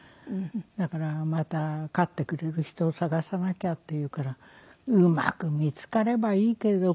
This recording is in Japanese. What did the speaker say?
だから「また飼ってくれる人を探さなきゃ」って言うからうまく見付かればいいけどこう合ったのを。